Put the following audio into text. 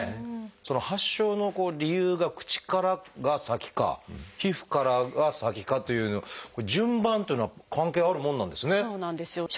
その発症の理由が口からが先か皮膚からが先かという順番というのは関係あるもんなんですね。